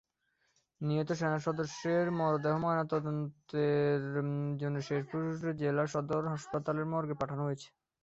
নিহত সেনাসদস্যের মরদেহ ময়নাতদন্তের জন্য শেরপুর জেলা সদর হাসপাতাল মর্গে পাঠানো হয়েছে।